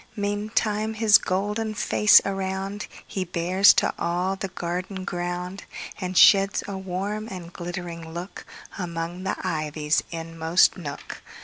Meantime his golden face aroundHe bears to all the garden ground, And sheds a warm and glittering lookAmong the ivy's inmost nook.